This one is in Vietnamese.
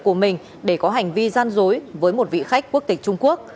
lợi dụng vị trí công việc của mình để có hành vi gian dối với một vị khách quốc tịch trung quốc